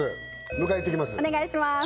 迎え行ってきます